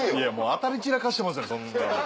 当たり散らかしてますやんそんな。